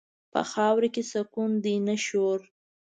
په خاورو کې سکون دی، نه شور.